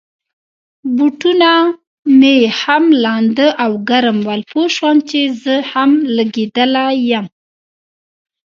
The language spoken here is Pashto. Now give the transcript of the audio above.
بوټونه مې هم لانده او ګرم ول، پوه شوم چي زه هم لګېدلی یم.